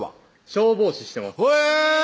消防士してますへぇ！